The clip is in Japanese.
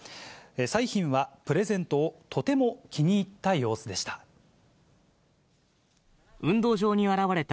彩浜は、プレゼントをとても気に入った様子でした。